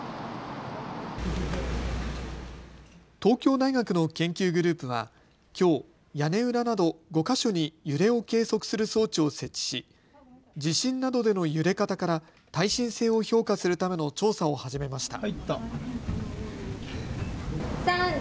東京大学の研究グループはきょう屋根裏など５か所に揺れを計測する装置を設置し地震などでの揺れ方から耐震性を評価するための調査を始めました。